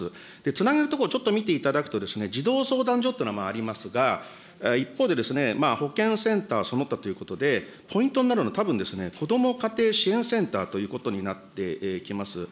つなげるところちょっと見ていただくと、児童相談所っていうのがありますが、一方で、保健センターその他ということで、ポイントになるのはたぶん、こども家庭支援センターということになってきます。